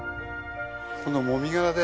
このもみ殻で。